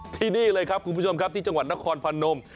ที่นี่เลยครับคุณผู้ชมครับที่จังหวัดนครพนม